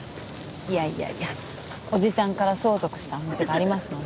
いやいやいや叔父ちゃんから相続したお店がありますので。